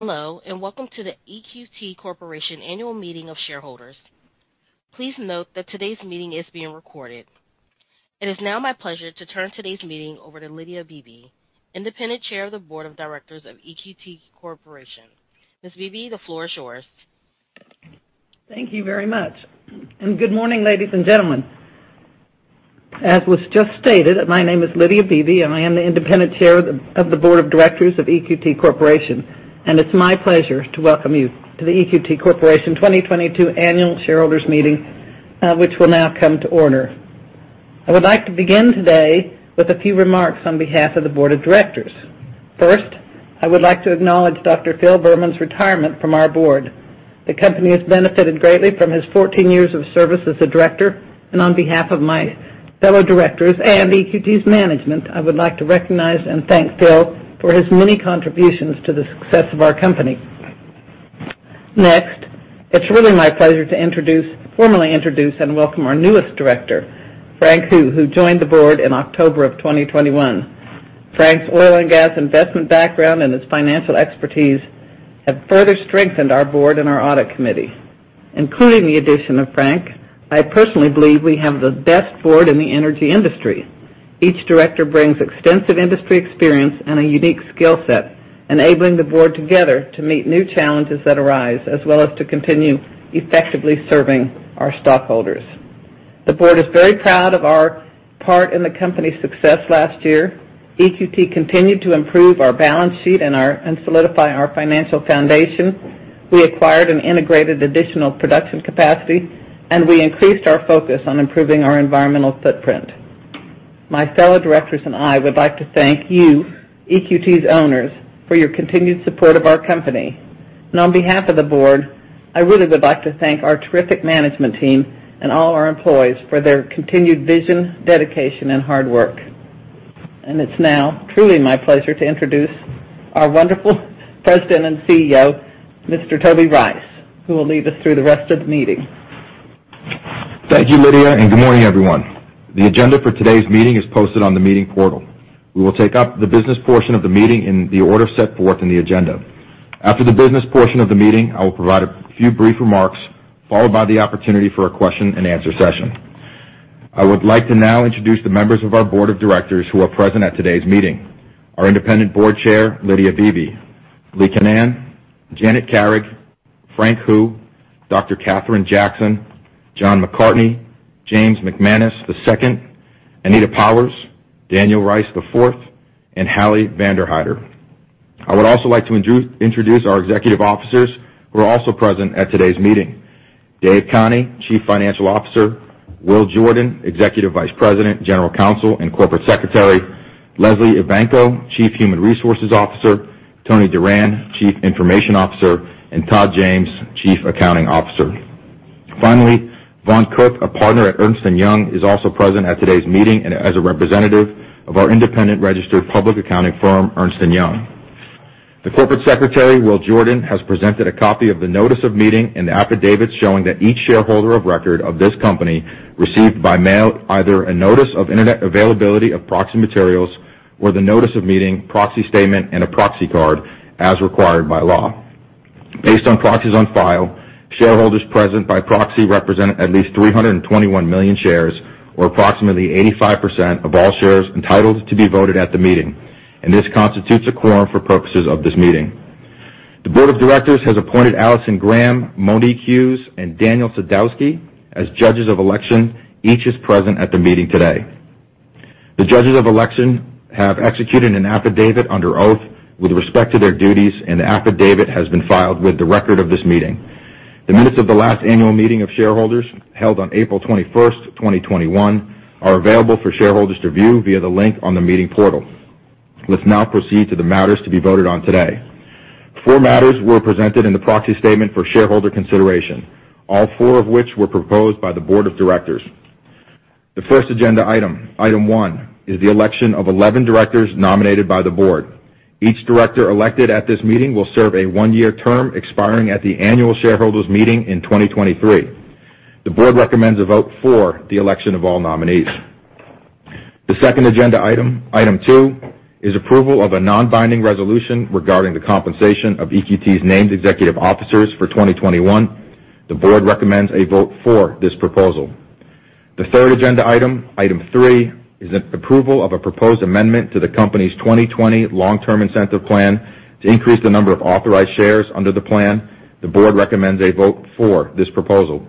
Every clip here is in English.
Hello, and welcome to the EQT Corporation Annual Meeting of Shareholders. Please note that today's meeting is being recorded. It is now my pleasure to turn today's meeting over to Lydia Beebe, Independent Chair of the Board of Directors of EQT Corporation. Ms. Beebe, the floor is yours. Thank you very much. Good morning, ladies and gentlemen. As was just stated, my name is Lydia Beebe, and I am the Independent Chair of the Board of Directors of EQT Corporation, and it's my pleasure to welcome you to the EQT Corporation 2022 Annual Shareholders Meeting, which will now come to order. I would like to begin today with a few remarks on behalf of the board of directors. First, I would like to acknowledge Dr. Phil Berman's retirement from our board. The company has benefited greatly from his 14 years of service as a director, and on behalf of my fellow directors and EQT's management, I would like to recognize and thank Phil for his many contributions to the success of our company. Next, it's really my pleasure to formally introduce and welcome our newest director, Frank Hu, who joined the board in October of 2021. Frank's oil and gas investment background and his financial expertise have further strengthened our board and our audit committee. Including the addition of Frank, I personally believe we have the best board in the energy industry. Each director brings extensive industry experience and a unique skill set, enabling the board together to meet new challenges that arise, as well as to continue effectively serving our stockholders. The board is very proud of our part in the company's success last year. EQT continued to improve our balance sheet and solidify our financial foundation. We acquired an integrated additional production capacity, and we increased our focus on improving our environmental footprint. My fellow directors and I would like to thank you, EQT's owners, for your continued support of our company. On behalf of the board, I really would like to thank our terrific management team and all our employees for their continued vision, dedication, and hard work. It's now truly my pleasure to introduce our wonderful President and CEO, Mr. Toby Rice, who will lead us through the rest of the meeting. Thank you, Lydia, and good morning, everyone. The agenda for today's meeting is posted on the meeting portal. We will take up the business portion of the meeting in the order set forth in the agenda. After the business portion of the meeting, I will provide a few brief remarks, followed by the opportunity for a question and answer session. I would like to now introduce the members of our board of directors who are present at today's meeting. Our Independent Board Chair, Lydia Beebe, Lee Canaan, Janet Carrig, Frank Hu, Dr. Kathryn Jackson, John McCartney, James McManus II, Anita Powers, Daniel Rice IV, and Hallie Vanderhider. I would also like to introduce our executive officers who are also present at today's meeting. David Khani, Chief Financial Officer, William E. Jordan, Executive Vice President, General Counsel, and Corporate Secretary, Lesley Evancho, Chief Human Resources Officer, Tony Duran, Chief Information Officer, and Todd M. James, Chief Accounting Officer. Finally, Vaughn Cook, a partner at Ernst & Young, is also present at today's meeting and as a representative of our independent registered public accounting firm, Ernst & Young. The Corporate Secretary, William E. Jordan, has presented a copy of the notice of meeting and the affidavit showing that each shareholder of record of this company received by mail either a notice of internet availability of proxy materials or the notice of meeting, proxy statement, and a proxy card as required by law. Based on proxies on file, shareholders present by proxy represent at least 321 million shares or approximately 85% of all shares entitled to be voted at the meeting, and this constitutes a quorum for purposes of this meeting. The board of directors has appointed Allison Graham, Monique Hughes, and Daniel Sadowski as judges of election. Each is present at the meeting today. The judges of election have executed an affidavit under oath with respect to their duties, and the affidavit has been filed with the record of this meeting. The minutes of the last annual meeting of shareholders held on April 21, 2021 are available for shareholders to view via the link on the meeting portal. Let's now proceed to the matters to be voted on today. Four matters were presented in the proxy statement for shareholder consideration, all four of which were proposed by the board of directors. The first agenda item one, is the election of 11 directors nominated by the board. Each director elected at this meeting will serve a 1-year term expiring at the annual shareholders meeting in 2023. The board recommends a vote for the election of all nominees. The second agenda item two, is approval of a non-binding resolution regarding the compensation of EQT's named executive officers for 2021. The board recommends a vote for this proposal. The third agenda item three, is an approval of a proposed amendment to the company's 2020 Long-Term Incentive Plan to increase the number of authorized shares under the plan. The board recommends a vote for this proposal.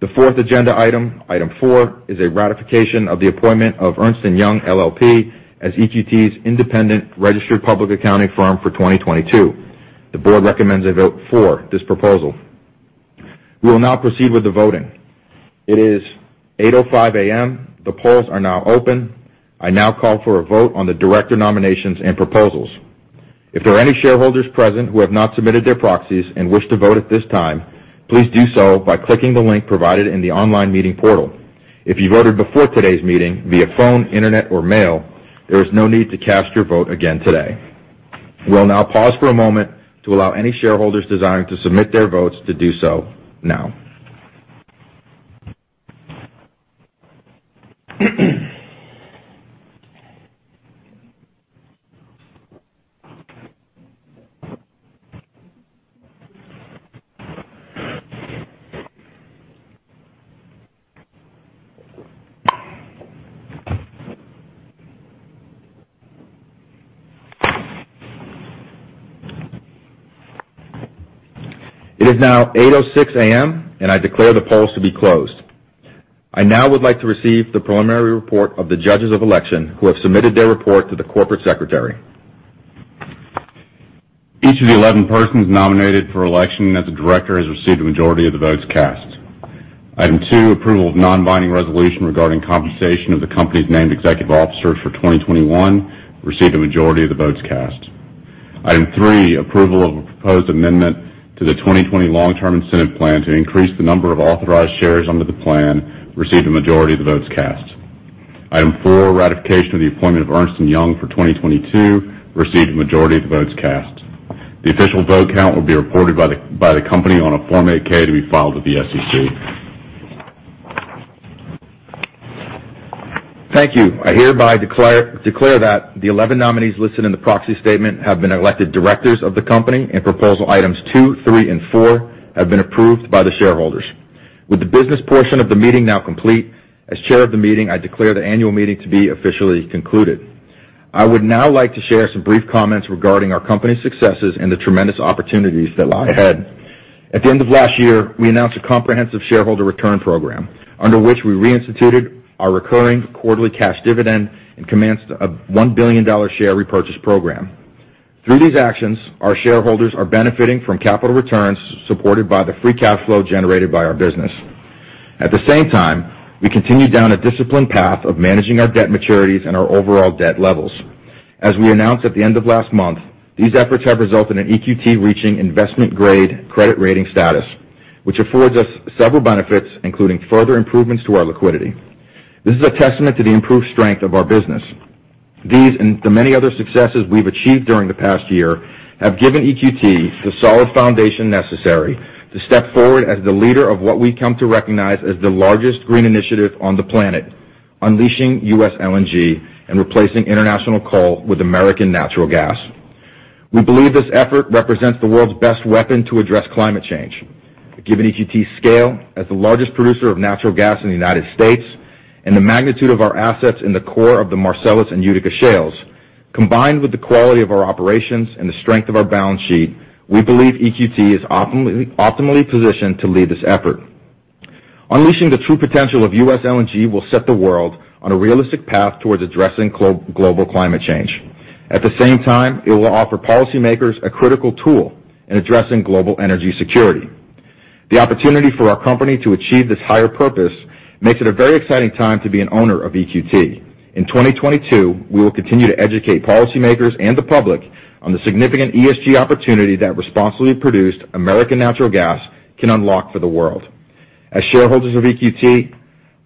The fourth agenda item four, is a ratification of the appointment of Ernst & Young LLP as EQT's independent registered public accounting firm for 2022. The board recommends a vote for this proposal. We will now proceed with the voting. It is 8:05 A.M. The polls are now open. I now call for a vote on the director nominations and proposals. If there are any shareholders present who have not submitted their proxies and wish to vote at this time, please do so by clicking the link provided in the online meeting portal. If you voted before today's meeting via phone, internet, or mail, there is no need to cast your vote again today. We will now pause for a moment to allow any shareholders desiring to submit their votes to do so now. It is now 8:06 A.M., and I declare the polls to be closed. I now would like to receive the preliminary report of the Judges of Election who have submitted their report to the Corporate Secretary. Each of the 11 persons nominated for election as a director has received a majority of the votes cast. Item 2: Approval of non-binding resolution regarding compensation of the company's named executive officers for 2021, received a majority of the votes cast. Item 3: Approval of a proposed amendment to the 2020 Long-Term Incentive Plan to increase the number of authorized shares under the plan, received a majority of the votes cast. Item 4: Ratification of the appointment of Ernst & Young for 2022, received a majority of the votes cast. The official vote count will be reported by the company on a Form 8-K to be filed with the SEC. Thank you. I hereby declare that the 11 nominees listed in the proxy statement have been elected directors of the company, and proposal items two, three, and four have been approved by the shareholders. With the business portion of the meeting now complete, as chair of the meeting, I declare the annual meeting to be officially concluded. I would now like to share some brief comments regarding our company's successes and the tremendous opportunities that lie ahead. At the end of last year, we announced a comprehensive shareholder return program, under which we reinstituted our recurring quarterly cash dividend and commenced a $1 billion share repurchase program. Through these actions, our shareholders are benefiting from capital returns supported by the free cash flow generated by our business. At the same time, we continue down a disciplined path of managing our debt maturities and our overall debt levels. As we announced at the end of last month, these efforts have resulted in EQT reaching investment-grade credit rating status, which affords us several benefits, including further improvements to our liquidity. This is a testament to the improved strength of our business. These, and the many other successes we've achieved during the past year, have given EQT the solid foundation necessary to step forward as the leader of what we've come to recognize as the largest green initiative on the planet, unleashing U.S. LNG and replacing international coal with American natural gas. We believe this effort represents the world's best weapon to address climate change. Given EQT's scale as the largest producer of natural gas in the United States and the magnitude of our assets in the core of the Marcellus and Utica shales, combined with the quality of our operations and the strength of our balance sheet, we believe EQT is optimally positioned to lead this effort. Unleashing the true potential of U.S. LNG will set the world on a realistic path towards addressing global climate change. At the same time, it will offer policymakers a critical tool in addressing global energy security. The opportunity for our company to achieve this higher purpose makes it a very exciting time to be an owner of EQT. In 2022, we will continue to educate policymakers and the public on the significant ESG opportunity that responsibly produced American natural gas can unlock for the world. As shareholders of EQT,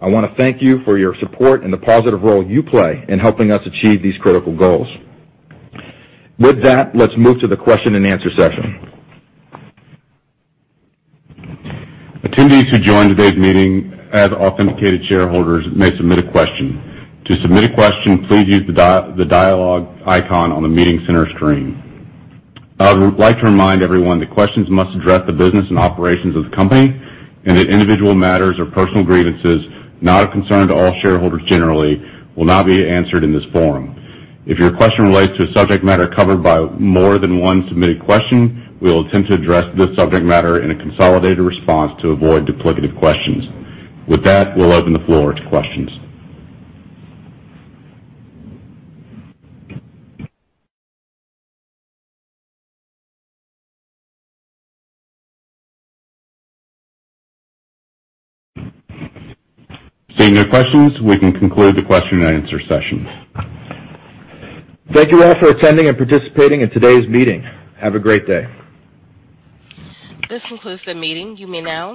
I wanna thank you for your support and the positive role you play in helping us achieve these critical goals. With that, let's move to the question-and-answer session. Attendees who joined today's meeting as authenticated shareholders may submit a question. To submit a question, please use the dialogue icon on the meeting center screen. I would like to remind everyone that questions must address the business and operations of the company, and that individual matters or personal grievances not of concern to all shareholders generally will not be answered in this forum. If your question relates to a subject matter covered by more than one submitted question, we will attempt to address this subject matter in a consolidated response to avoid duplicative questions. With that, we'll open the floor to questions. Seeing no questions, we can conclude the question-and-answer session. Thank you all for attending and participating in today's meeting. Have a great day. This concludes the meeting. You may now disconnect.